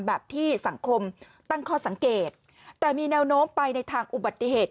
แบบที่สังคมตั้งข้อสังเกตแต่มีแนวโน้มไปในทางอุบัติเหตุ